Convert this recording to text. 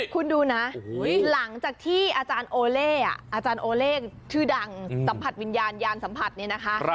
คุณดูนะหลังจากที่อาจารย์โอเล่อาจารย์โอเล่ชื่อดังสัมผัสวิญญาณยานสัมผัสเนี่ยนะคะ